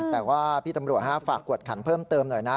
แต่ว่าพี่ตำรวจฝากกวดขันเพิ่มเติมหน่อยนะ